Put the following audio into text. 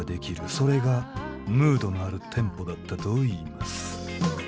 それがムードのあるテンポだったといいます「」